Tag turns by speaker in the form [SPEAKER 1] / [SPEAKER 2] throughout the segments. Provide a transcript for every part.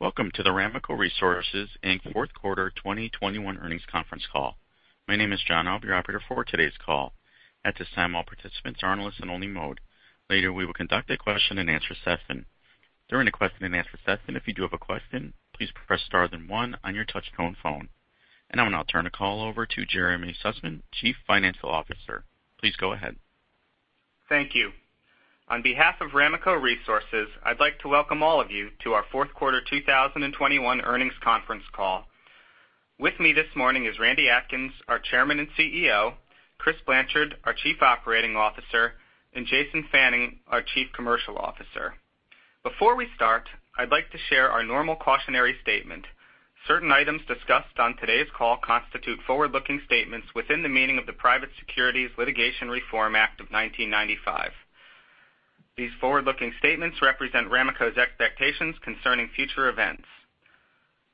[SPEAKER 1] Welcome to the Ramaco Resources, Inc. fourth quarter 2021 earnings conference call. My name is John. I'll be your operator for today's call. At this time, all participants are in listen-only mode. Later, we will conduct a question-and-answer session. During the question-and-answer session, if you do have a question, please press star then one on your touchtone phone. Now I'll turn the call over to Jeremy Sussman, Chief Financial Officer. Please go ahead.
[SPEAKER 2] Thank you. On behalf of Ramaco Resources, I'd like to welcome all of you to our fourth quarter 2021 earnings conference call. With me this morning is Randy Atkins, our Chairman and CEO, Chris Blanchard, our Chief Operating Officer, and Jason Fannin, our Chief Commercial Officer. Before we start, I'd like to share our normal cautionary statement. Certain items discussed on today's call constitute forward-looking statements within the meaning of the Private Securities Litigation Reform Act of 1995. These forward-looking statements represent Ramaco's expectations concerning future events.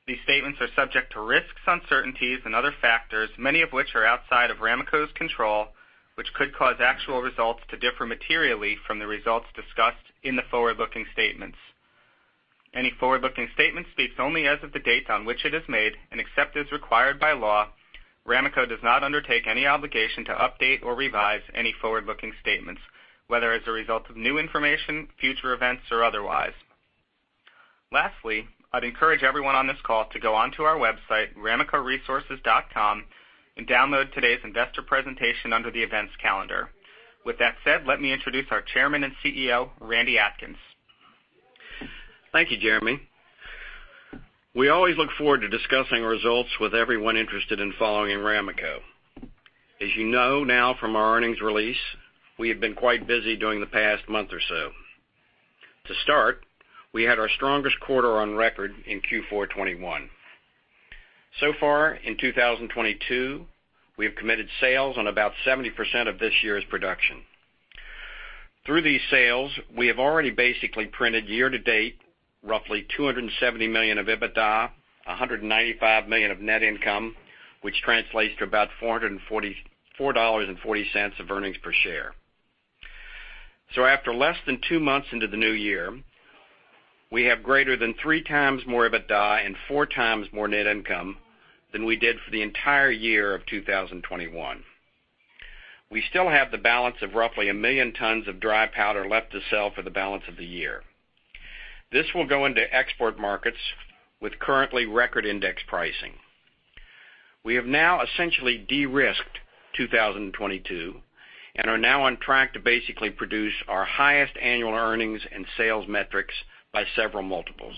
[SPEAKER 2] These statements are subject to risks, uncertainties, and other factors, many of which are outside of Ramaco's control, which could cause actual results to differ materially from the results discussed in the forward-looking statements. Any forward-looking statement speaks only as of the date on which it is made, and except as required by law, Ramaco does not undertake any obligation to update or revise any forward-looking statements, whether as a result of new information, future events, or otherwise. Lastly, I'd encourage everyone on this call to go onto our website, ramacoresources.com, and download today's investor presentation under the Events Calendar. With that said, let me introduce our Chairman and CEO, Randy Atkins.
[SPEAKER 3] Thank you, Jeremy. We always look forward to discussing results with everyone interested in following Ramaco. As you know now from our earnings release, we have been quite busy during the past month or so. To start, we had our strongest quarter on record in Q4 2021. Far in 2022, we have committed sales on about 70% of this year's production. Through these sales, we have already basically printed year-to-date roughly $270 million of EBITDA, $195 million of net income, which translates to about $444.40 of earnings per share. After less than two months into the new year, we have greater than 3x more EBITDA and 4x more net income than we did for the entire year of 2021. We still have the balance of roughly 1 million tons of dry powder left to sell for the balance of the year. This will go into export markets with currently record index pricing. We have now essentially de-risked 2022 and are now on track to basically produce our highest annual earnings and sales metrics by several multiples.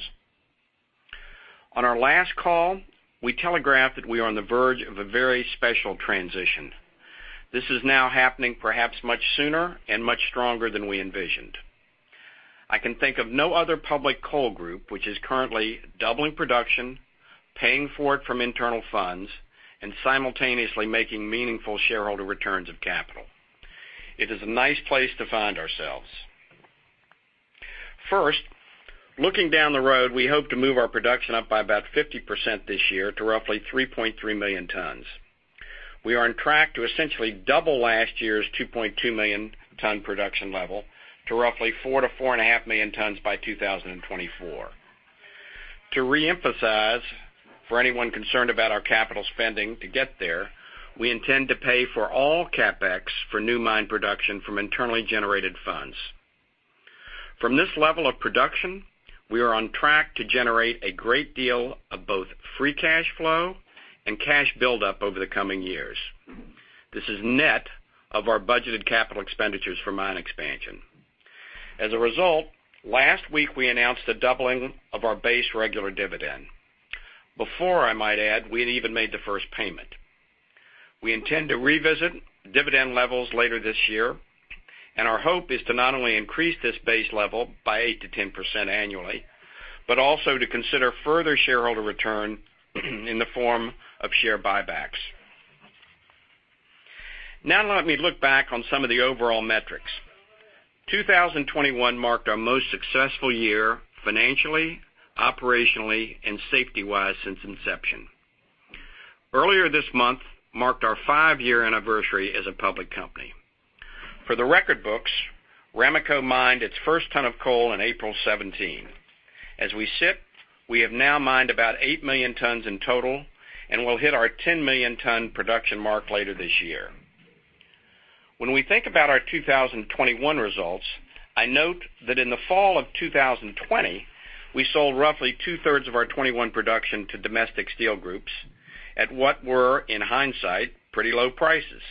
[SPEAKER 3] On our last call, we telegraphed that we are on the verge of a very special transition. This is now happening perhaps much sooner and much stronger than we envisioned. I can think of no other public coal group which is currently doubling production, paying for it from internal funds, and simultaneously making meaningful shareholder returns of capital. It is a nice place to find ourselves. First, looking down the road, we hope to move our production up by about 50% this year to roughly 3.3 million tons. We are on track to essentially double last year's 2.2 million tons production level to roughly 4 million tons-4.5 million tons by 2024. To reemphasize for anyone concerned about our capital spending to get there, we intend to pay for all CapEx for new mine production from internally generated funds. From this level of production, we are on track to generate a great deal of both free cash flow and cash buildup over the coming years. This is net of our budgeted capital expenditures for mine expansion. As a result, last week, we announced the doubling of our base regular dividend. Before, I might add, we had even made the first payment. We intend to revisit dividend levels later this year, and our hope is to not only increase this base level by 8%-10% annually, but also to consider further shareholder return in the form of share buybacks. Now let me look back on some of the overall metrics. 2021 marked our most successful year financially, operationally, and safety-wise since inception. Earlier this month marked our five-year anniversary as a public company. For the record books, Ramaco mined its first ton of coal in April 2017. As we sit, we have now mined about 8 million tons in total and will hit our 10 million ton production mark later this year. When we think about our 2021 results, I note that in the fall of 2020, we sold roughly two-thirds of our 2021 production to domestic steel groups at what were, in hindsight, pretty low prices.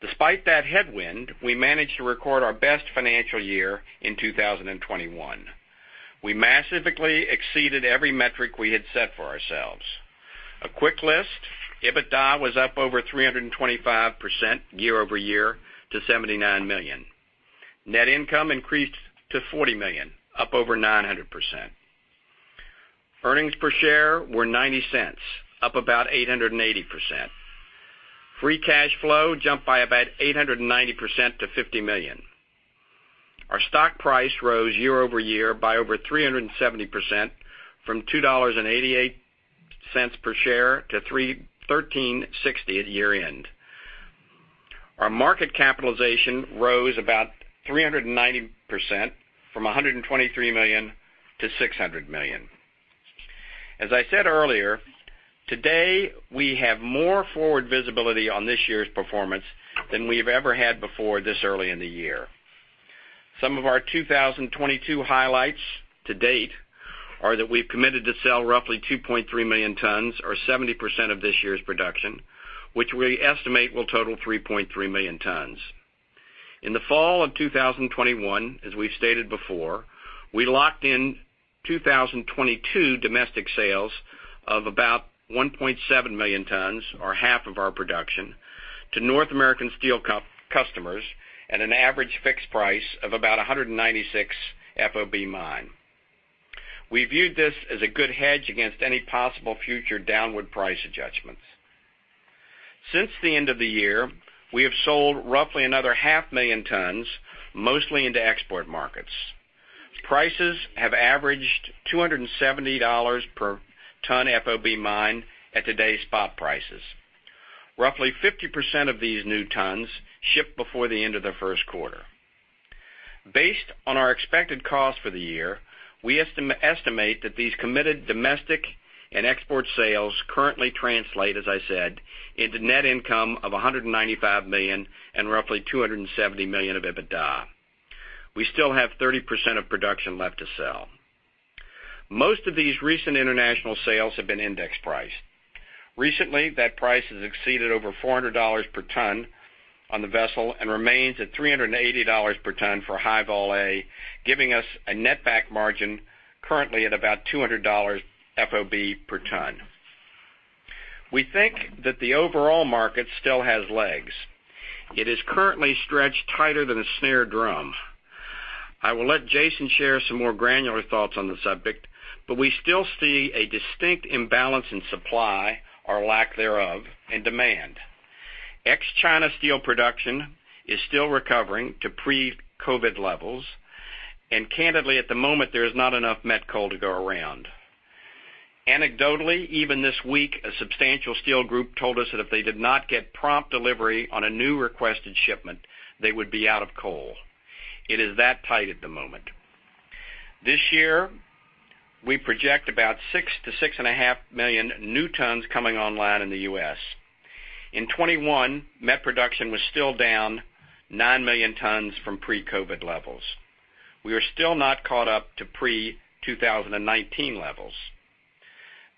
[SPEAKER 3] Despite that headwind, we managed to record our best financial year in 2021. We massively exceeded every metric we had set for ourselves. A quick list, EBITDA was up over 325% year-over-year to $79 million. Net income increased to $40 million, up over 900%. Earnings per share were $0.90, up about 880%. Free cash flow jumped by about 890% to $50 million. Our stock price rose year-over-year by over 370% from $2.88 per share to $13.60 at year-end. Our market capitalization rose about 390% from $123 million to $600 million. As I said earlier, today, we have more forward visibility on this year's performance than we've ever had before this early in the year. Some of our 2022 highlights to date are that we've committed to sell roughly 2.3 million tons or 70% of this year's production, which we estimate will total 3.3 million tons. In the fall of 2021, as we stated before, we locked in 2022 domestic sales of about 1.7 million tons or half of our production to North American steel customers at an average fixed price of about $196 FOB mine. We viewed this as a good hedge against any possible future downward price adjustments. Since the end of the year, we have sold roughly another half million tons, mostly into export markets. Prices have averaged $270 per ton FOB mine at today's spot prices. Roughly 50% of these new tons shipped before the end of the first quarter. Based on our expected cost for the year, we estimate that these committed domestic and export sales currently translate, as I said, into net income of $195 million and roughly $270 million of EBITDA. We still have 30% of production left to sell. Most of these recent international sales have been index priced. Recently, that price has exceeded over $400 per ton on the vessel and remains at $380 per ton for High Vol A, giving us a net back margin currently at about $200 FOB per ton. We think that the overall market still has legs. It is currently stretched tighter than a snare drum. I will let Jason share some more granular thoughts on the subject, but we still see a distinct imbalance in supply or lack thereof in demand. Ex-China steel production is still recovering to pre-COVID levels. Candidly, at the moment, there is not enough met coal to go around. Anecdotally, even this week, a substantial steel group told us that if they did not get prompt delivery on a new requested shipment, they would be out of coal. It is that tight at the moment. This year, we project about 6 million to 6.5 million new tons coming online in the U.S. In 2021, met production was still down 9 million tons from pre-COVID levels. We are still not caught up to pre-2019 levels.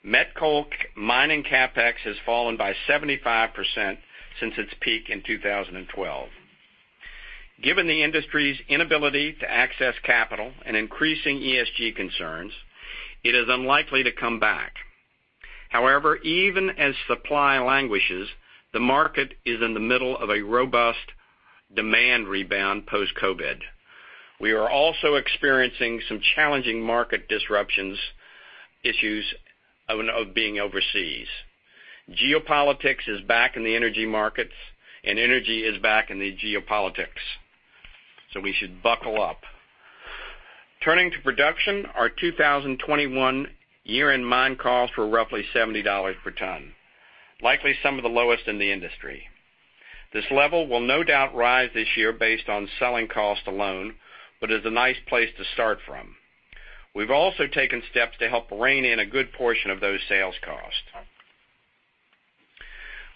[SPEAKER 3] Met coal mining CapEx has fallen by 75% since its peak in 2012. Given the industry's inability to access capital and increasing ESG concerns, it is unlikely to come back. However, even as supply languishes, the market is in the middle of a robust demand rebound post-COVID. We are also experiencing some challenging market disruptions issues of being overseas. Geopolitics is back in the energy markets, and energy is back in the geopolitics. We should buckle up. Turning to production, our 2021 year-end mine costs were roughly $70 per ton, likely some of the lowest in the industry. This level will no doubt rise this year based on selling cost alone, but is a nice place to start from. We've also taken steps to help rein in a good portion of those sales costs.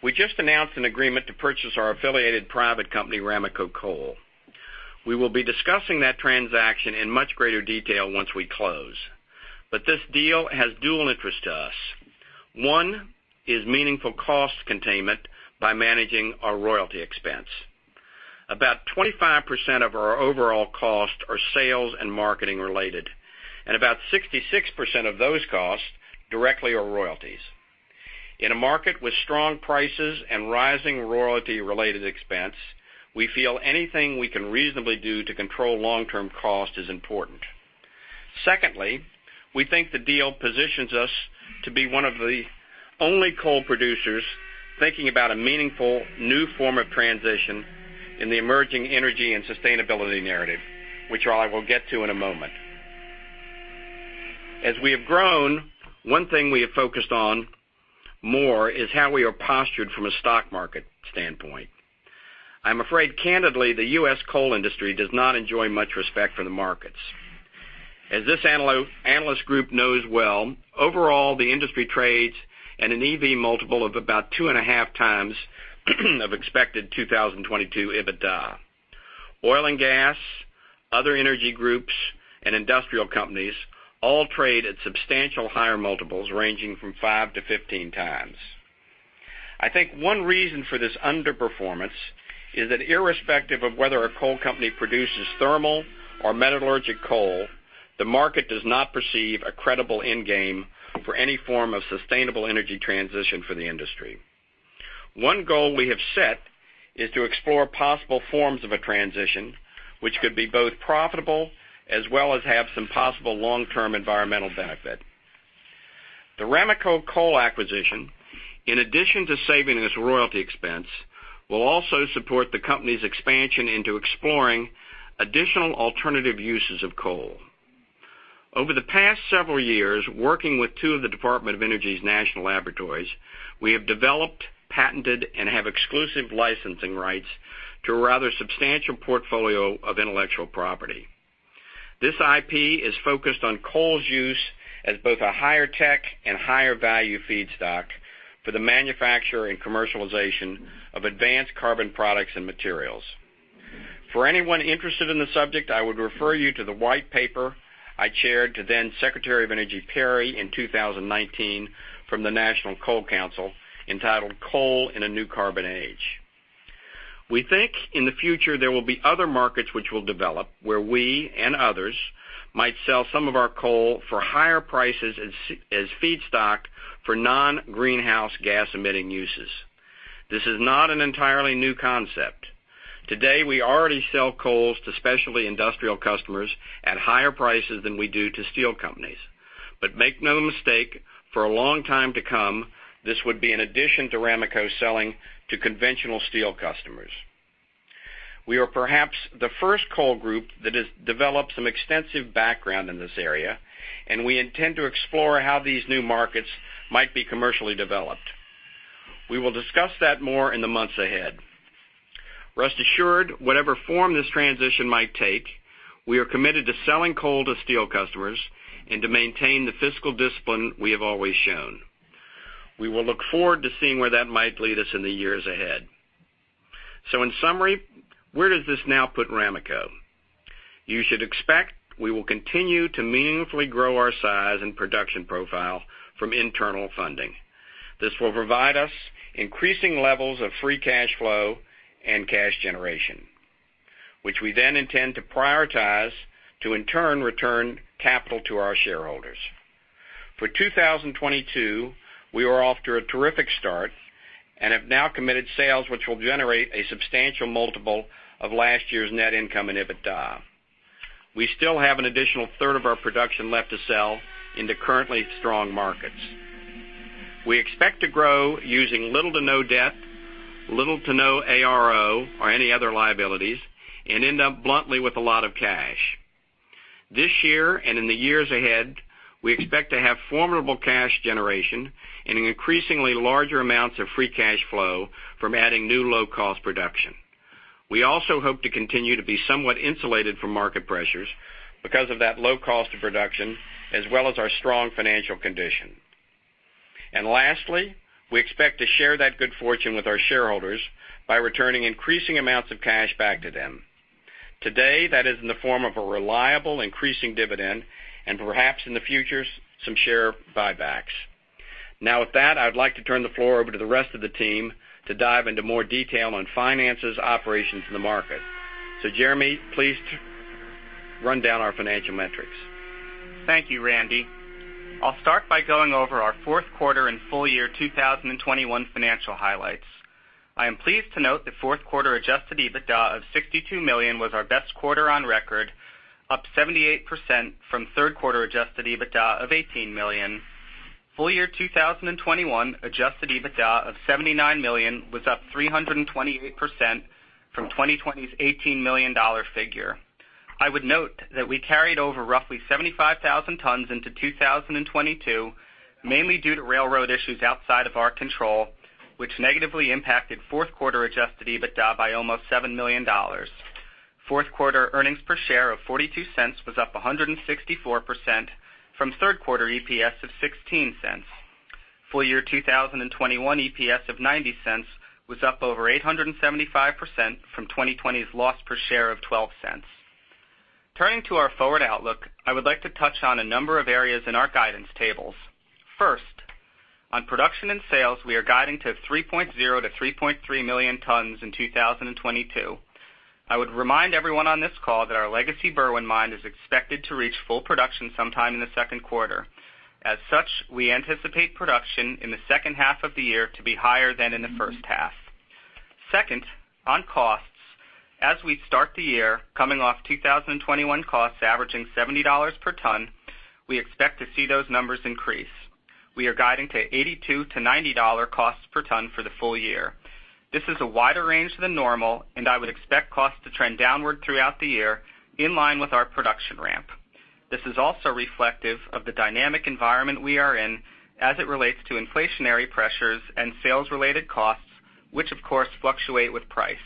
[SPEAKER 3] We just announced an agreement to purchase our affiliated private company, Ramaco Coal. We will be discussing that transaction in much greater detail once we close. This deal has dual interest to us. One is meaningful cost containment by managing our royalty expense. About 25% of our overall costs are sales and marketing related, and about 66% of those costs directly are royalties. In a market with strong prices and rising royalty-related expense, we feel anything we can reasonably do to control long-term cost is important. Secondly, we think the deal positions us to be one of the only coal producers thinking about a meaningful new form of transition in the emerging energy and sustainability narrative, which I will get to in a moment. As we have grown, one thing we have focused on more is how we are postured from a stock market standpoint. I'm afraid candidly, the U.S. coal industry does not enjoy much respect for the markets. As this analyst group knows well, overall, the industry trades at an EV multiple of about 2.5x of expected 2022 EBITDA. Oil and gas, other energy groups, and industrial companies all trade at substantially higher multiples, ranging from 5x-15x. I think one reason for this underperformance is that irrespective of whether a coal company produces thermal or metallurgical coal, the market does not perceive a credible endgame for any form of sustainable energy transition for the industry. One goal we have set is to explore possible forms of a transition which could be both profitable as well as have some possible long-term environmental benefit. The Ramaco Coal acquisition, in addition to saving this royalty expense, will also support the company's expansion into exploring additional alternative uses of coal. Over the past several years, working with two of the Department of Energy's national laboratories, we have developed, patented, and have exclusive licensing rights to a rather substantial portfolio of intellectual property. This IP is focused on coal's use as both a higher tech and higher value feedstock for the manufacture and commercialization of advanced carbon products and materials. For anyone interested in the subject, I would refer you to the white paper I chaired to then Secretary of Energy, Rick Perry in 2019 from the National Coal Council, entitled Coal in a New Carbon Age. We think in the future there will be other markets which will develop where we and others might sell some of our coal for higher prices as feedstock for non-greenhouse gas emitting uses. This is not an entirely new concept. Today, we already sell coals to specialty industrial customers at higher prices than we do to steel companies. Make no mistake, for a long time to come, this would be an addition to Ramaco selling to conventional steel customers. We are perhaps the first coal group that has developed some extensive background in this area, and we intend to explore how these new markets might be commercially developed. We will discuss that more in the months ahead. Rest assured, whatever form this transition might take, we are committed to selling coal to steel customers and to maintain the fiscal discipline we have always shown. We will look forward to seeing where that might lead us in the years ahead. In summary, where does this now put Ramaco? You should expect we will continue to meaningfully grow our size and production profile from internal funding. This will provide us increasing levels of free cash flow and cash generation, which we then intend to prioritize to in turn return capital to our shareholders. For 2022, we are off to a terrific start and have now committed sales which will generate a substantial multiple of last year's net income and EBITDA. We still have an additional third of our production left to sell into currently strong markets. We expect to grow using little to no debt, little to no ARO or any other liabilities, and end up bluntly with a lot of cash. This year and in the years ahead, we expect to have formidable cash generation and increasingly larger amounts of free cash flow from adding new low-cost production. We also hope to continue to be somewhat insulated from market pressures because of that low cost of production as well as our strong financial condition. Lastly, we expect to share that good fortune with our shareholders by returning increasing amounts of cash back to them. Today, that is in the form of a reliable increasing dividend and perhaps in the future, some share buybacks. Now, with that, I would like to turn the floor over to the rest of the team to dive into more detail on finances, operations in the market. Jeremy, please run down our financial metrics.
[SPEAKER 2] Thank you, Randy. I'll start by going over our fourth quarter and full year 2021 financial highlights. I am pleased to note that fourth quarter adjusted EBITDA of $62 million was our best quarter on record, up 78% from third quarter adjusted EBITDA of $18 million. Full year 2021 adjusted EBITDA of $79 million was up 328% from 2020's $18 million figure. I would note that we carried over roughly 75,000 tons into 2022, mainly due to railroad issues outside of our control, which negatively impacted fourth quarter adjusted EBITDA by almost $7 million. Fourth quarter earnings per share of $0.42 was up 164% from third quarter EPS of $0.16. Full year 2021 EPS of $0.90 was up over 875% from 2020's loss per share of $0.12. Turning to our forward outlook, I would like to touch on a number of areas in our guidance tables. First, on production and sales, we are guiding to 3.0 million tons-3.3 million tons in 2022. I would remind everyone on this call that our legacy Berwind Mine is expected to reach full production sometime in the second quarter. As such, we anticipate production in the second half of the year to be higher than in the first half. Second, on costs, as we start the year coming off 2021 costs averaging $70 per ton, we expect to see those numbers increase. We are guiding to $82-$90 costs per ton for the full year. This is a wider range than normal, and I would expect costs to trend downward throughout the year in line with our production ramp. This is also reflective of the dynamic environment we are in as it relates to inflationary pressures and sales-related costs, which of course fluctuate with price.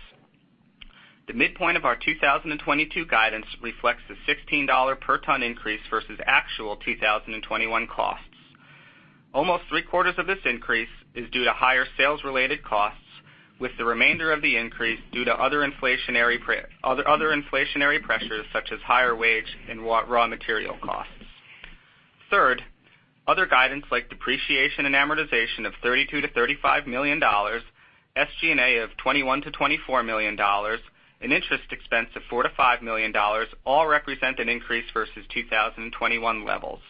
[SPEAKER 2] The midpoint of our 2022 guidance reflects the $16 per ton increase versus actual 2021 costs. Almost three-quarters of this increase is due to higher sales-related costs, with the remainder of the increase due to other inflationary pressures such as higher wage and raw material costs. Third, other guidance like depreciation and amortization of $32 million-$35 million, SG&A of $21 million-$24 million, and interest expense of $4 million-$5 million all represent an increase versus 2021 levels.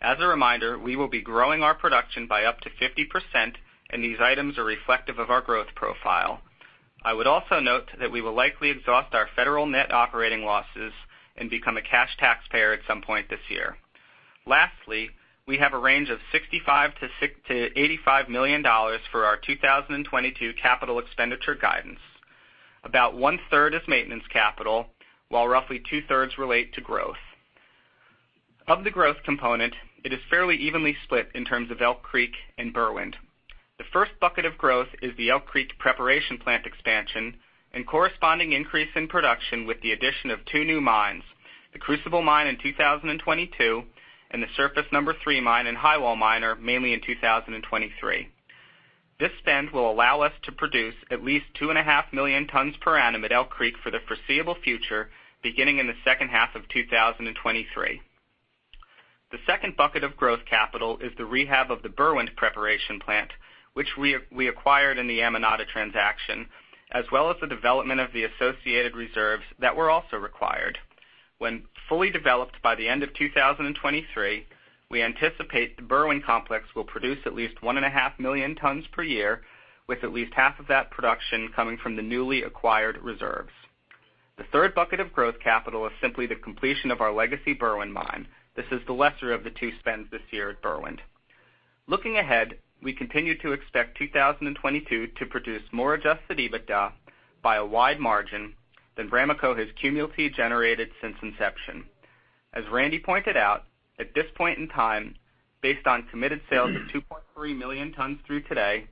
[SPEAKER 2] As a reminder, we will be growing our production by up to 50%, and these items are reflective of our growth profile. I would also note that we will likely exhaust our federal net operating losses and become a cash taxpayer at some point this year. Lastly, we have a range of $65 million-$85 million for our 2022 capital expenditure guidance. About one third is maintenance capital, while roughly two thirds relate to growth. Of the growth component, it is fairly evenly split in terms of Elk Creek and Berwind. The first bucket of growth is the Elk Creek preparation plant expansion and corresponding increase in production with the addition of two new mines, the Crucible Mine in 2022 and the Surface No. 3 Mine and Highwall Miner mainly in 2023. This spend will allow us to produce at least 2.5 million tons per annum at Elk Creek for the foreseeable future, beginning in the second half of 2023. The second bucket of growth capital is the rehab of the Berwind preparation plant, which we acquired in the Amonate transaction, as well as the development of the associated reserves that were also required. When fully developed by the end of 2023, we anticipate the Berwind complex will produce at least 1.5 million tons per year, with at least half of that production coming from the newly acquired reserves. The third bucket of growth capital is simply the completion of our legacy Berwind mine. This is the lesser of the two spends this year at Berwind. Looking ahead, we continue to expect 2022 to produce more adjusted EBITDA by a wide margin than Ramaco has cumulatively generated since inception. As Randy pointed out, at this point in time, based on committed sales of 2.3 million tons through today,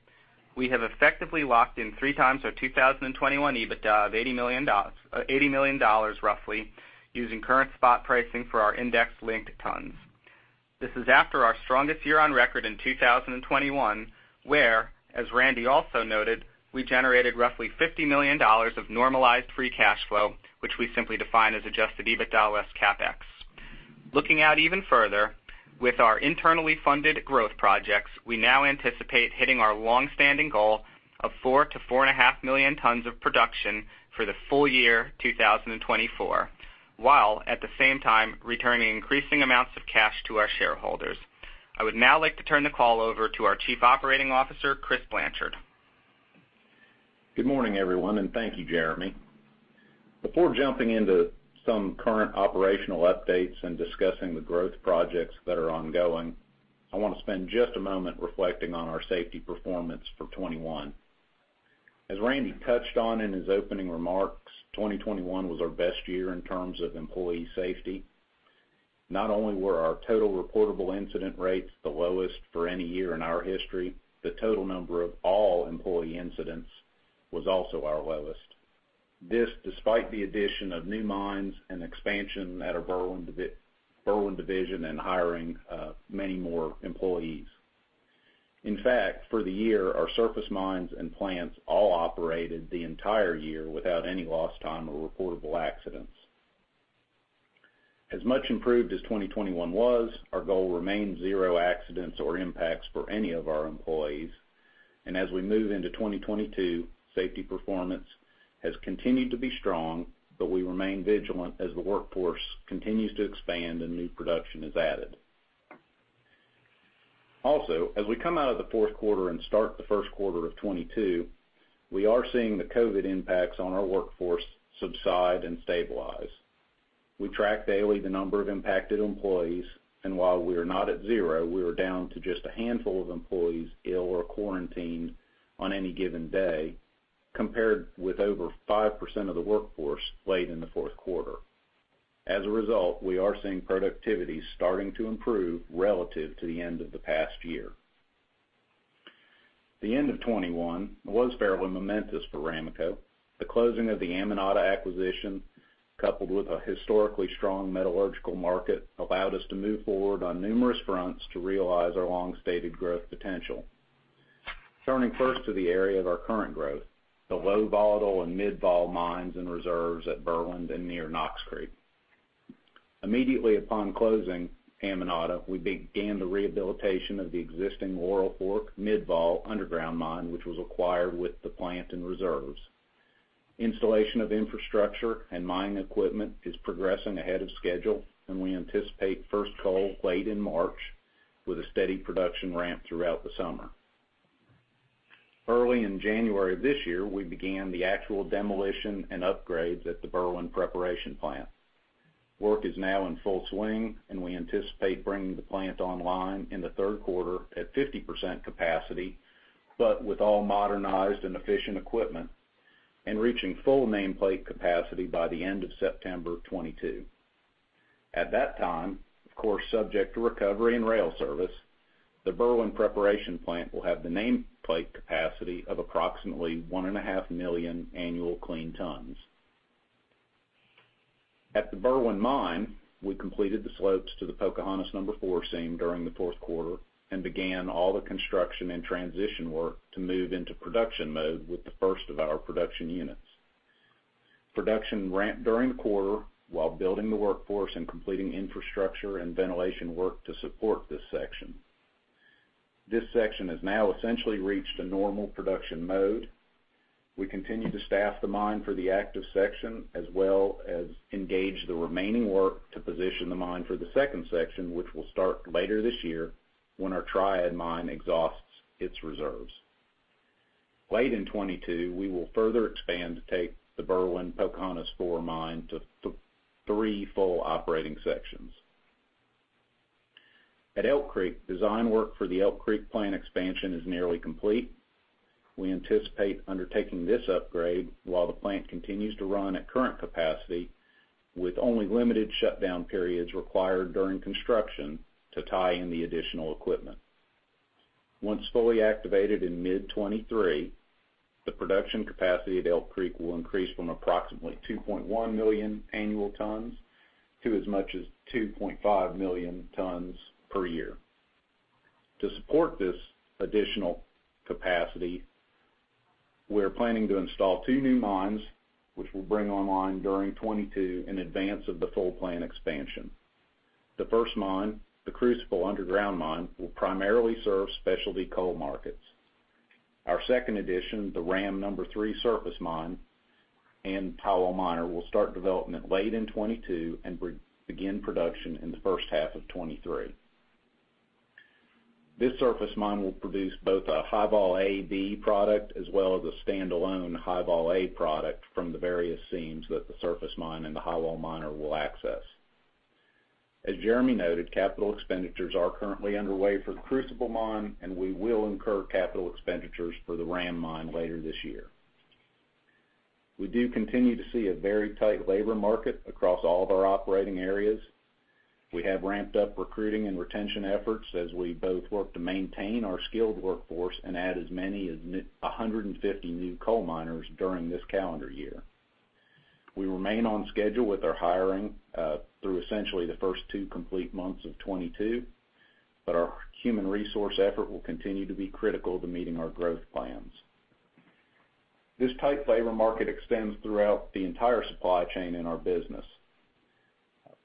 [SPEAKER 2] we have effectively locked in 3x our 2021 EBITDA of $80 million roughly, using current spot pricing for our index-linked tons. This is after our strongest year on record in 2021, where, as Randy also noted, we generated roughly $50 million of normalized free cash flow, which we simply define as adjusted EBITDA less CapEx. Looking out even further, with our internally funded growth projects, we now anticipate hitting our long-standing goal of 4 million tons-4.5 million tons of production for the full year 2024, while at the same time returning increasing amounts of cash to our shareholders. I would now like to turn the call over to our Chief Operating Officer, Chris Blanchard.
[SPEAKER 4] Good morning, everyone, and thank you, Jeremy. Before jumping into some current operational updates and discussing the growth projects that are ongoing, I want to spend just a moment reflecting on our safety performance for 2021. As Randy touched on in his opening remarks, 2021 was our best year in terms of employee safety. Not only were our total reportable incident rates the lowest for any year in our history, the total number of all employee incidents was also our lowest. This despite the addition of new mines and expansion at our Berwind division and hiring many more employees. In fact, for the year, our surface mines and plants all operated the entire year without any lost time or reportable accidents. As much improved as 2021 was, our goal remains zero accidents or impacts for any of our employees. As we move into 2022, safety performance has continued to be strong, but we remain vigilant as the workforce continues to expand and new production is added. Also, as we come out of the fourth quarter and start the first quarter of 2022, we are seeing the COVID impacts on our workforce subside and stabilize. We track daily the number of impacted employees, and while we are not at zero, we are down to just a handful of employees ill or quarantined on any given day, compared with over 5% of the workforce late in the fourth quarter. As a result, we are seeing productivity starting to improve relative to the end of the past year. The end of 2021 was fairly momentous for Ramaco. The closing of the Amonate acquisition, coupled with a historically strong metallurgical market, allowed us to move forward on numerous fronts to realize our long-stated growth potential. Turning first to the area of our current growth, the low volatile and mid-vol mines and reserves at Berwind and near Knox Creek. Immediately upon closing Amonate, we began the rehabilitation of the existing Laurel Fork mid-vol underground mine, which was acquired with the plant and reserves. Installation of infrastructure and mining equipment is progressing ahead of schedule, and we anticipate first coal late in March with a steady production ramp throughout the summer. Early in January of this year, we began the actual demolition and upgrades at the Berwind preparation plant. Work is now in full swing, and we anticipate bringing the plant online in the third quarter at 50% capacity, but with all modernized and efficient equipment, and reaching full nameplate capacity by the end of September 2022. At that time, of course subject to recovery and rail service, the Berwind preparation plant will have the nameplate capacity of approximately 1.5 million annual clean tons. At the Berwind mine, we completed the slopes to the Pocahontas Number Four seam during the fourth quarter and began all the construction and transition work to move into production mode with the first of our production units. Production ramped during the quarter while building the workforce and completing infrastructure and ventilation work to support this section. This section has now essentially reached a normal production mode. We continue to staff the mine for the active section, as well as engage the remaining work to position the mine for the second section, which will start later this year when our Triad mine exhausts its reserves. Late in 2022, we will further expand to take the Berwind Pocahontas Four mine to three full operating sections. At Elk Creek, design work for the Elk Creek plant expansion is nearly complete. We anticipate undertaking this upgrade while the plant continues to run at current capacity, with only limited shutdown periods required during construction to tie in the additional equipment. Once fully activated in mid-2023, the production capacity at Elk Creek will increase from approximately 2.1 million tons per year to as much as 2.5 million tons per year. To support this additional capacity, we're planning to install two new mines, which we'll bring online during 2022 in advance of the full plant expansion. The first mine, the Crucible Underground Mine, will primarily serve specialty coal markets. Our second addition, the Ram No. 3 Surface mine and highwall miner, will start development late in 2022 and begin production in the first half of 2023. This surface mine will produce both a High Vol A, B product as well as a standalone High Vol A product from the various seams that the surface mine and the highwall miner will access. As Jeremy noted, capital expenditures are currently underway for Crucible Mine, and we will incur capital expenditures for the Ram Mine later this year. We do continue to see a very tight labor market across all of our operating areas. We have ramped up recruiting and retention efforts as we both work to maintain our skilled workforce and add as many as 150 new coal miners during this calendar year. We remain on schedule with our hiring through essentially the first two complete months of 2022, but our human resources effort will continue to be critical to meeting our growth plans. This tight labor market extends throughout the entire supply chain in our business.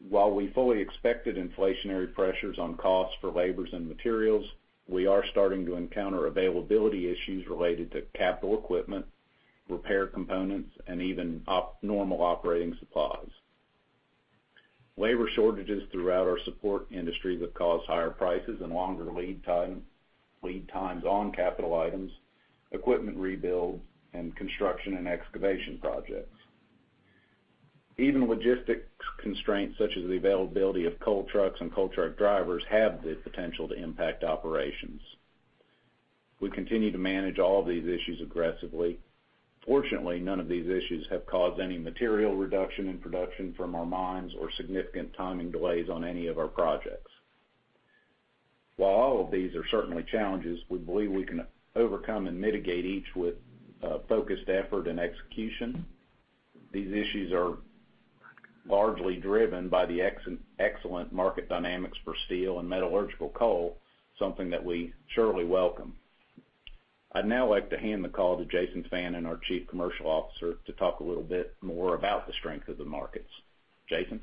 [SPEAKER 4] While we fully expected inflationary pressures on costs for labor and materials, we are starting to encounter availability issues related to capital equipment, repair components, and even normal operating supplies. Labor shortages throughout our support industry have caused higher prices and longer lead times on capital items, equipment rebuild, and construction and excavation projects. Even logistics constraints such as the availability of coal trucks and coal truck drivers have the potential to impact operations. We continue to manage all these issues aggressively. Fortunately, none of these issues have caused any material reduction in production from our mines or significant timing delays on any of our projects. While all of these are certainly challenges we believe we can overcome and mitigate each with focused effort and execution, these issues are largely driven by the excellent market dynamics for steel and metallurgical coal, something that we surely welcome. I'd now like to hand the call to Jason Fannin, our Chief Commercial Officer, to talk a little bit more about the strength of the markets. Jason?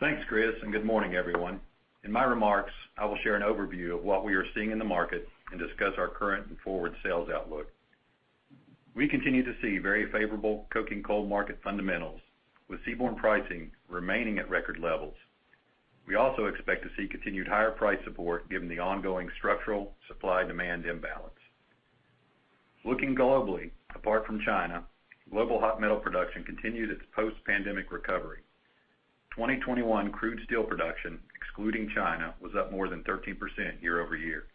[SPEAKER 5] Thanks, Chris, and good morning, everyone. In my remarks, I will share an overview of what we are seeing in the market and discuss our current and forward sales outlook. We continue to see very favorable coking coal market fundamentals, with seaborne pricing remaining at record levels. We also expect to see continued higher price support given the ongoing structural supply-demand imbalance. Looking globally, apart from China, global hot metal production continued its post-pandemic recovery. 2021 crude steel production, excluding China, was up more than 13% year over year.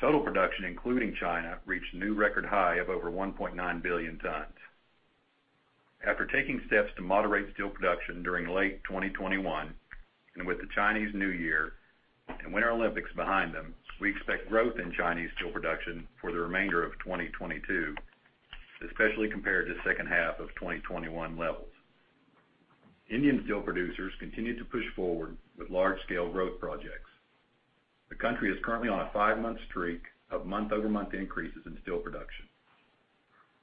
[SPEAKER 5] Total production, including China, reached a new record high of over 1.9 billion tons. After taking steps to moderate steel production during late 2021, and with the Chinese New Year and Winter Olympics behind them, we expect growth in Chinese steel production for the remainder of 2022, especially compared to second half of 2021 levels. Indian steel producers continue to push forward with large-scale growth projects. The country is currently on a five-month streak of month-over-month increases in steel production.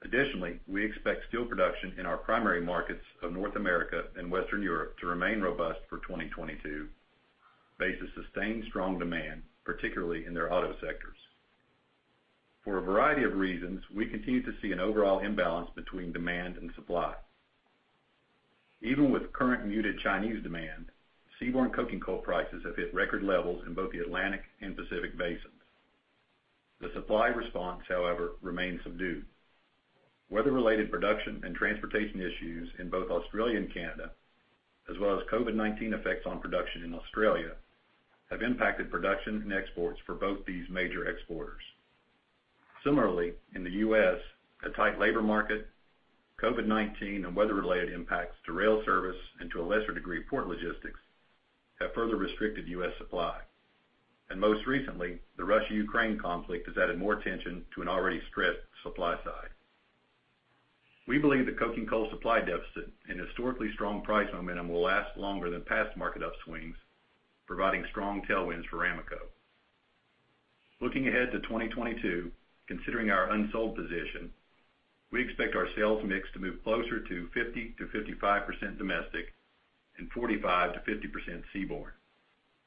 [SPEAKER 5] Additionally, we expect steel production in our primary markets of North America and Western Europe to remain robust for 2022, based on sustained strong demand, particularly in their auto sectors. For a variety of reasons, we continue to see an overall imbalance between demand and supply. Even with current muted Chinese demand, seaborne coking coal prices have hit record levels in both the Atlantic and Pacific basins. The supply response, however, remains subdued. Weather-related production and transportation issues in both Australia and Canada, as well as COVID-19 effects on production in Australia, have impacted production and exports for both these major exporters. Similarly, in the U.S., a tight labor market, COVID-19, and weather-related impacts to rail service, and to a lesser degree, port logistics, have further restricted U.S. supply. Most recently, the Russia-Ukraine conflict has added more tension to an already stretched supply side. We believe the coking coal supply deficit and historically strong price momentum will last longer than past market upswings, providing strong tailwinds for Ramaco. Looking ahead to 2022, considering our unsold position, we expect our sales mix to move closer to 50%-55% domestic and 45%-50% seaborne,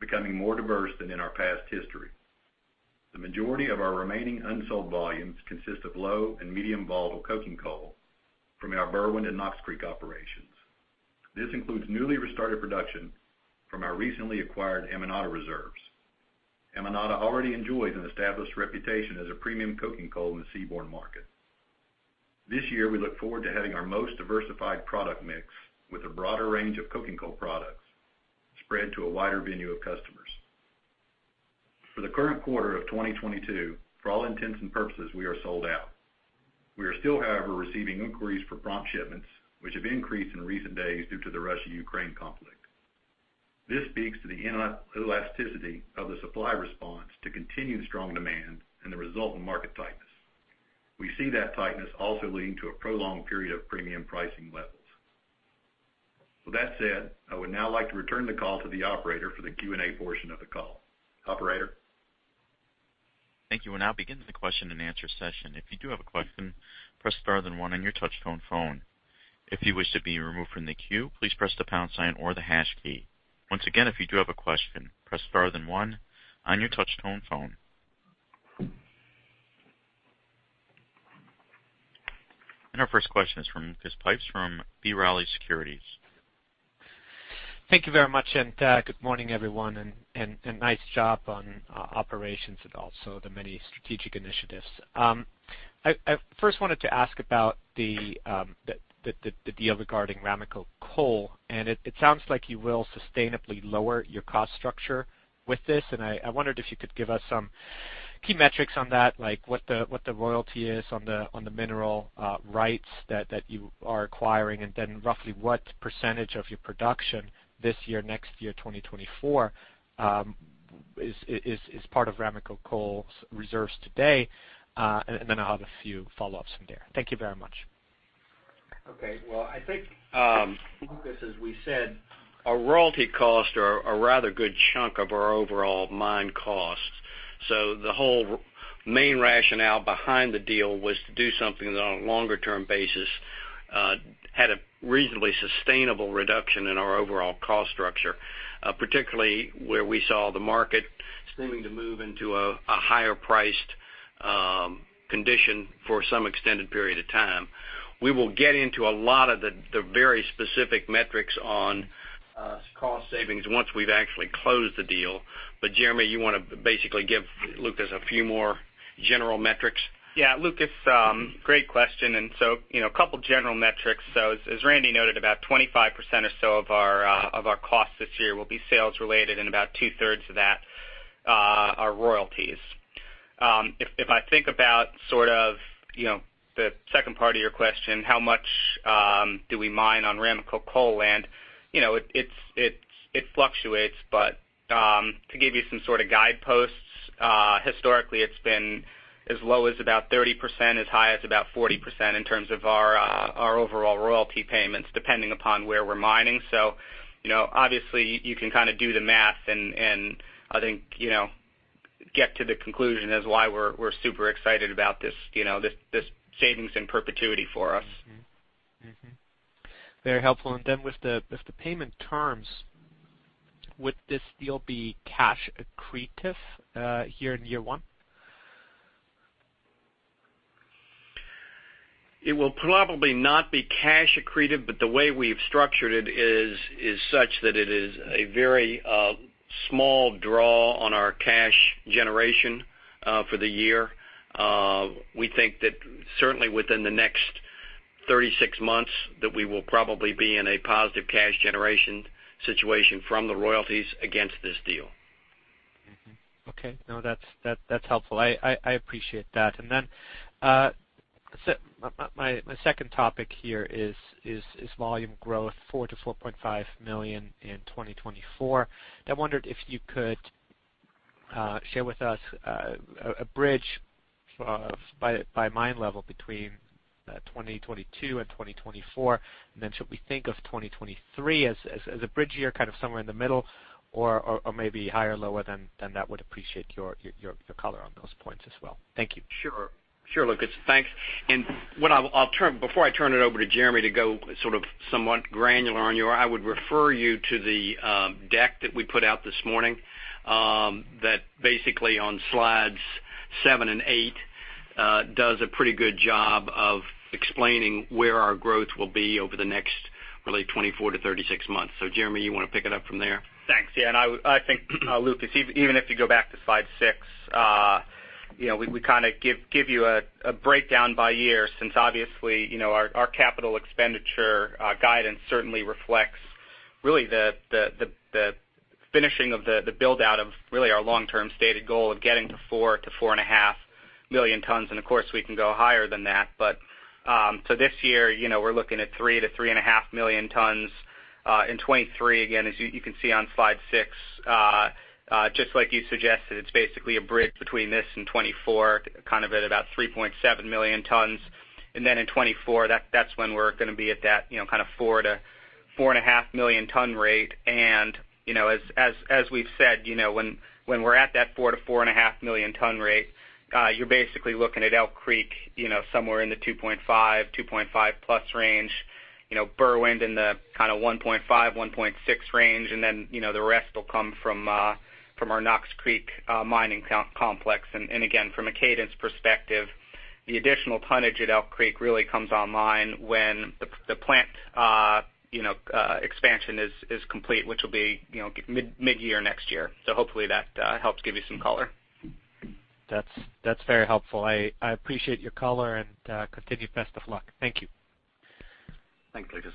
[SPEAKER 5] becoming more diverse than in our past history. The majority of our remaining unsold volumes consist of low and medium volatile coking coal from our Berwind and Knox Creek operations. This includes newly restarted production from our recently acquired Amonate reserves. Amonate already enjoys an established reputation as a premium coking coal in the seaborne market. This year, we look forward to having our most diversified product mix with a broader range of coking coal products spread to a wider venue of customers. For the current quarter of 2022, for all intents and purposes, we are sold out. We are still, however, receiving inquiries for prompt shipments, which have increased in recent days due to the Russia-Ukraine conflict. This speaks to the inelasticity of the supply response to continued strong demand and the result in market tightness. We see that tightness also leading to a prolonged period of premium pricing levels. With that said, I would now like to return the call to the operator for the Q&A portion of the call. Operator?
[SPEAKER 1] Thank you. We'll now begin the question-and-answer session. If you do have a question, press star then one on your touch tone phone. If you wish to be removed from the queue, please press the pound sign or the hash key. Once again, if you do have a question, press star then one on your touch tone phone. Our first question is from Lucas Pipes from B. Riley Securities.
[SPEAKER 6] Thank you very much. Good morning, everyone, and nice job on operations and also the many strategic initiatives. I first wanted to ask about the deal regarding Ramaco Coal, and it sounds like you will sustainably lower your cost structure with this. I wondered if you could give us some key metrics on that, like what the royalty is on the mineral rights that you are acquiring, and then roughly what percentage of your production this year, next year, 2024, is part of Ramaco Coal's reserves today, and then I'll have a few follow-ups from there. Thank you very much.
[SPEAKER 3] Okay. Well, I think, Lucas, as we said, our royalty costs are a rather good chunk of our overall mine costs. The whole main rationale behind the deal was to do something on a longer-term basis, had a reasonably sustainable reduction in our overall cost structure, particularly where we saw the market seeming to move into a higher priced condition for some extended period of time. We will get into a lot of the very specific metrics on cost savings once we've actually closed the deal. Jeremy, you wanna basically give Lucas a few more general metrics?
[SPEAKER 2] Yeah, Lucas, great question. You know, a couple general metrics. As Randy noted, about 25% or so of our costs this year will be sales related, and about two-thirds of that are royalties. If I think about sort of, you know, the second part of your question, how much do we mine on Ramaco Coal land? You know, it fluctuates, but to give you some sort of guideposts, historically it's been as low as about 30%, as high as about 40% in terms of our overall royalty payments, depending upon where we're mining. You know, obviously you can kinda do the math and I think, you know, get to the conclusion as why we're super excited about this, you know, this savings in perpetuity for us.
[SPEAKER 6] Mm-hmm. Very helpful. With the payment terms, would this deal be cash accretive here in year one?
[SPEAKER 3] It will probably not be cash accretive, but the way we've structured it is such that it is a very small draw on our cash generation for the year. We think that certainly within the next 36 months, that we will probably be in a positive cash generation situation from the royalties against this deal.
[SPEAKER 6] Okay. No, that's helpful. I appreciate that. My second topic here is volume growth, 4 million-4.5 million in 2024. I wondered if you could share with us a bridge by mine level between 2022 and 2024. Should we think of 2023 as a bridge year, kind of somewhere in the middle or maybe higher, lower than that. I would appreciate your color on those points as well. Thank you.
[SPEAKER 3] Sure, Lucas. Thanks. Before I turn it over to Jeremy to go sort of somewhat granular on you, I would refer you to the deck that we put out this morning that basically on slides seven and eight does a pretty good job of explaining where our growth will be over the next 24-36 months. Jeremy, you wanna pick it up from there?
[SPEAKER 2] Thanks. Yeah, I think, Lucas, even if you go back to slide six, you know, we kinda give you a breakdown by year since obviously, you know, our capital expenditure guidance certainly reflects really the finishing of the build-out of really our long-term stated goal of getting to 4 million tons-4.5 million tons, and of course we can go higher than that. This year, you know, we're looking at 3 million tons-3.5 million tons. In 2023, again, as you can see on slide six, just like you suggested, it's basically a bridge between this and 2024, kind of at about 3.7 million tons. In 2024, that's when we're gonna be at that, you know, kinda 4 million ton-4.5 million ton rate. You know, as we've said, you know, when we're at that 4 million ton-4.5 million ton rate, you're basically looking at Elk Creek, you know, somewhere in the 2.5, 2.5+ range, you know, Berwind in the kinda 1.5-1.6 range, and then, you know, the rest will come from our Knox Creek mining complex. And again, from a cadence perspective, the additional tonnage at Elk Creek really comes online when the plant expansion is complete, which will be, you know, mid-year next year. Hopefully that helps give you some color.
[SPEAKER 6] That's very helpful. I appreciate your color and continued best of luck. Thank you.
[SPEAKER 3] Thanks, Lucas.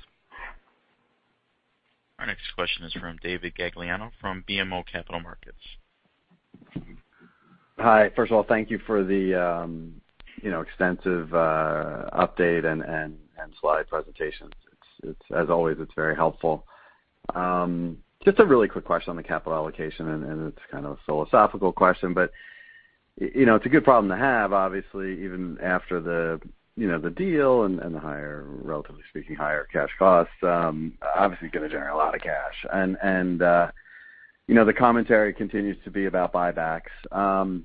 [SPEAKER 1] Our next question is from David Gagliano from BMO Capital Markets.
[SPEAKER 7] Hi. First of all, thank you for the, you know, extensive update and slide presentations. It's, as always, very helpful. Just a really quick question on the capital allocation, and it's kind of a philosophical question, but you know, it's a good problem to have, obviously, even after the, you know, the deal and the higher, relatively speaking, cash costs, obviously gonna generate a lot of cash. You know, the commentary continues to be about buybacks.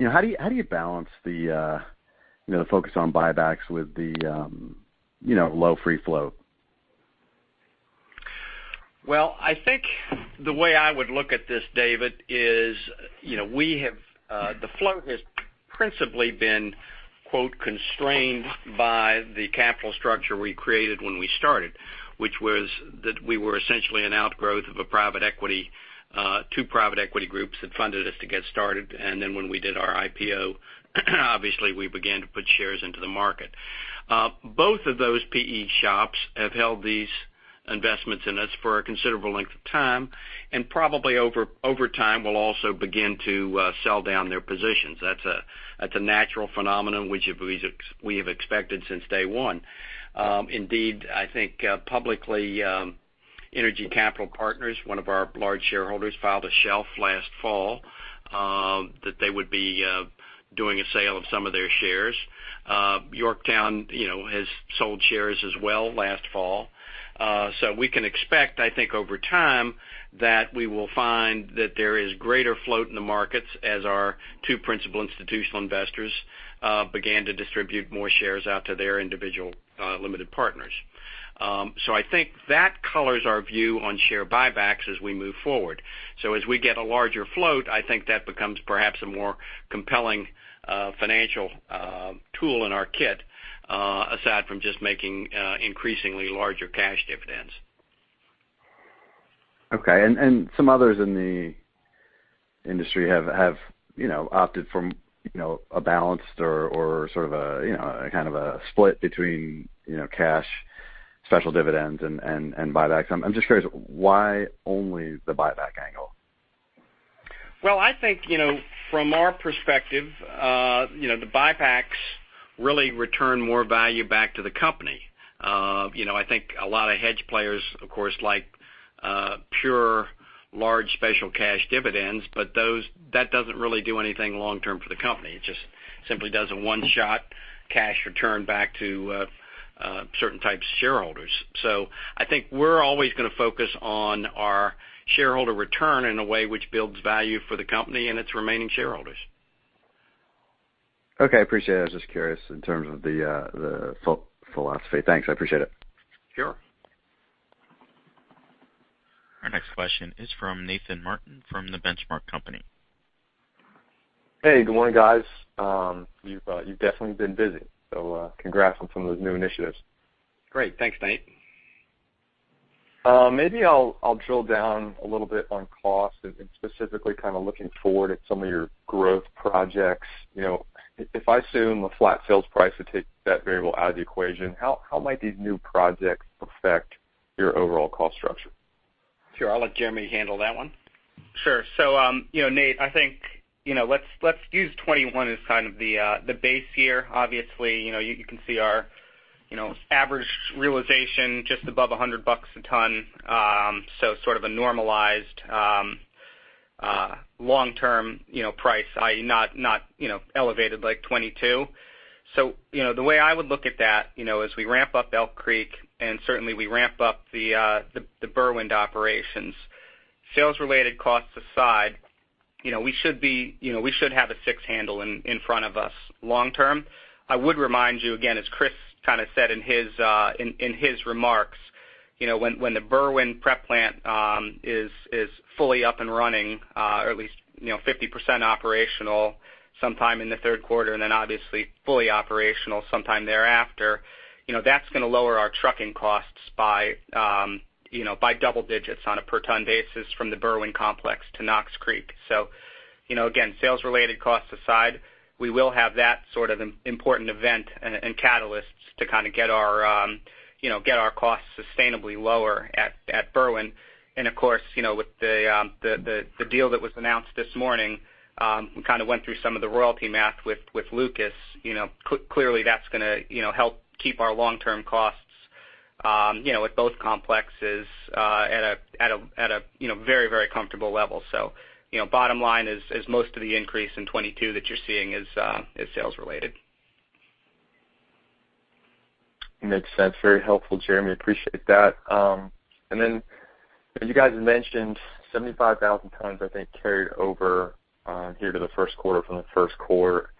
[SPEAKER 7] You know, how do you balance the, you know, the focus on buybacks with the, you know, low free cash flow?
[SPEAKER 3] Well, I think the way I would look at this, David, is, you know, the float has principally been, quote, "constrained" by the capital structure we created when we started, which was that we were essentially an outgrowth of a private equity, two private equity groups that funded us to get started. Then when we did our IPO, obviously, we began to put shares into the market. Both of those PE shops have held these investments in us for a considerable length of time, and probably over time will also begin to sell down their positions. That's a natural phenomenon which we have expected since day one. Indeed, I think, publicly, Energy Capital Partners, one of our large shareholders, filed a shelf last fall, that they would be doing a sale of some of their shares. Yorktown, you know, has sold shares as well last fall. We can expect, I think, over time, that we will find that there is greater float in the markets as our two principal institutional investors began to distribute more shares out to their individual limited partners. I think that colors our view on share buybacks as we move forward. As we get a larger float, I think that becomes perhaps a more compelling financial tool in our kit, aside from just making increasingly larger cash dividends.
[SPEAKER 7] Okay. Some others in the industry have, you know, opted for, you know, a balanced or sort of a, you know, a kind of a split between, you know, cash, special dividends and buybacks. I'm just curious, why only the buyback angle?
[SPEAKER 3] Well, I think, you know, from our perspective, you know, the buybacks really return more value back to the company. You know, I think a lot of hedge players, of course, like, pure large special cash dividends, but those that doesn't really do anything long term for the company. It just simply does a one-shot cash return back to certain types of shareholders. I think we're always gonna focus on our shareholder return in a way which builds value for the company and its remaining shareholders.
[SPEAKER 7] Okay. I appreciate it. I was just curious in terms of the philosophy. Thanks. I appreciate it.
[SPEAKER 3] Sure.
[SPEAKER 1] Our next question is from Nathan Martin from The Benchmark Company.
[SPEAKER 8] Hey, good morning, guys. You've definitely been busy, so congrats on some of those new initiatives.
[SPEAKER 3] Great. Thanks, Nate.
[SPEAKER 8] Maybe I'll drill down a little bit on cost and specifically kind of looking forward at some of your growth projects. You know, if I assume a flat sales price to take that variable out of the equation, how might these new projects affect your overall cost structure?
[SPEAKER 3] Sure. I'll let Jeremy handle that one.
[SPEAKER 2] Sure. You know, Nate, I think, you know, let's use 2021 as kind of the base year. Obviously, you know, you can see our, you know, average realization just above $100 a ton. Sort of a normalized, long-term, you know, price, i.e. not you know elevated like 2022. You know, the way I would look at that, you know, as we ramp up Elk Creek and certainly we ramp up the Berwind operations, sales related costs aside, you know, we should have a six handle in front of us long term. I would remind you again, as Chris kind of said in his remarks, you know, when the Berwind prep plant is fully up and running, or at least 50% operational sometime in the third quarter and then obviously fully operational sometime thereafter, you know, that's gonna lower our trucking costs by double digits on a per ton basis from the Berwind complex to Knox Creek. You know, again, sales related costs aside, we will have that sort of important event and catalysts to kind of get our costs sustainably lower at Berwind. Of course, you know, with the deal that was announced this morning, we kind of went through some of the royalty math with Lucas, you know, clearly, that's gonna help keep our long-term costs, you know, with both complexes at a very comfortable level. Bottom line is most of the increase in 2022 that you're seeing is sales related.
[SPEAKER 8] Makes sense. Very helpful, Jeremy. Appreciate that. As you guys mentioned, 75,000 tons, I think, carried over here to the first quarter from the fourth quarter.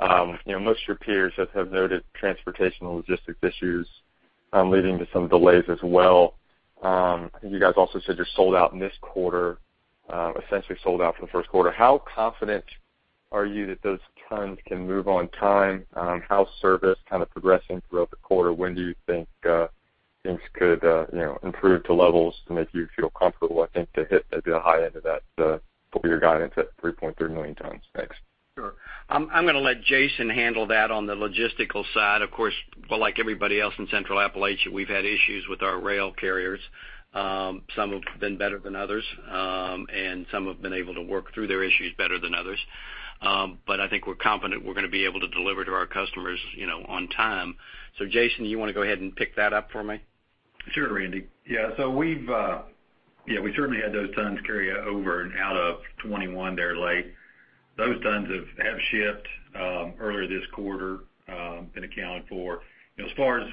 [SPEAKER 8] You know, most of your peers have noted transportation and logistics issues leading to some delays as well. I think you guys also said you're sold out in this quarter, essentially sold out for the first quarter. How confident? Are you confident that those tons can move on time? How is service kind of progressing throughout the quarter? When do you think things could improve to levels to make you feel comfortable, I think to hit the high end of that for your guidance at 3.3 million tons? Thanks.
[SPEAKER 3] Sure. I'm gonna let Jason handle that on the logistical side. Of course, well, like everybody else in Central Appalachia, we've had issues with our rail carriers. Some have been better than others, and some have been able to work through their issues better than others. I think we're confident we're gonna be able to deliver to our customers, you know, on time. Jason, you wanna go ahead and pick that up for me?
[SPEAKER 5] Sure, Randy. Yeah, we've certainly had those tons carry over and out of 2021. They're late. Those tons have shipped earlier this quarter, been accounted for. As far as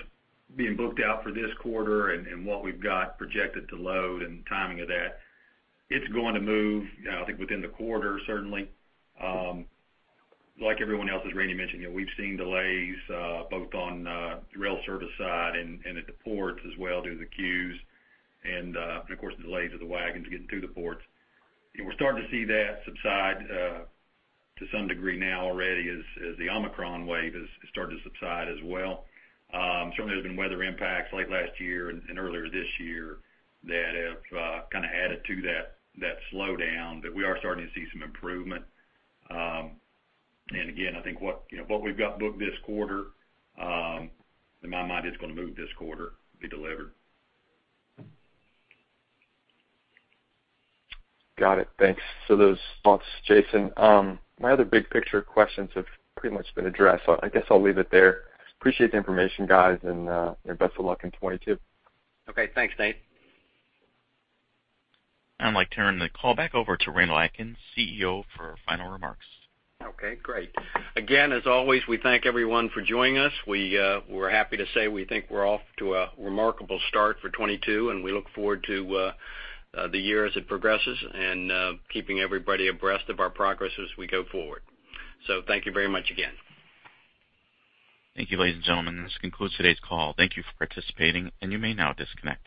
[SPEAKER 5] being booked out for this quarter and what we've got projected to load and timing of that, it's going to move, I think, within the quarter, certainly. Like everyone else, as Randy mentioned, you know, we've seen delays both on the rail service side and at the ports as well due to the queues and, of course, the delays of the wagons getting through the ports. We're starting to see that subside to some degree now already as the Omicron wave has started to subside as well. Certainly there's been weather impacts late last year and earlier this year that have added to that slowdown, but we are starting to see some improvement. Again, I think what you know what we've got booked this quarter in my mind is gonna move this quarter, be delivered.
[SPEAKER 8] Got it. Thanks for those thoughts, Jason. My other big picture questions have pretty much been addressed. I guess I'll leave it there. Appreciate the information, guys, and best of luck in 2022.
[SPEAKER 3] Okay. Thanks, Nate.
[SPEAKER 1] I'd like to turn the call back over to Randy Atkins, CEO, for final remarks.
[SPEAKER 3] Okay, great. Again, as always, we thank everyone for joining us. We're happy to say we think we're off to a remarkable start for 2022, and we look forward to the year as it progresses and keeping everybody abreast of our progress as we go forward. Thank you very much again.
[SPEAKER 1] Thank you, ladies and gentlemen. This concludes today's call. Thank you for participating, and you may now disconnect.